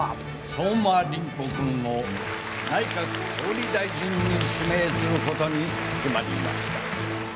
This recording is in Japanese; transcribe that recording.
相馬凛子君を内閣総理大臣に指名することに決まりました。